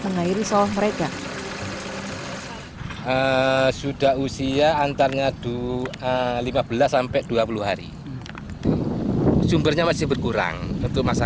mengairi sawah mereka sudah usia antara dua lima belas sampai dua puluh hari sumbernya masih berkurang untuk masa